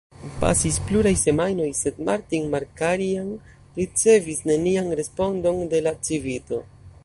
Pasis pluraj semajnoj, sed Martin Markarian ricevis nenian respondon de la Civito.